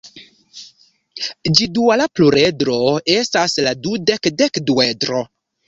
Ĝi duala pluredro estas la dudek-dekduedro.